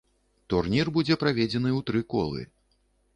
Турнір будзе праведзены ў тры колы.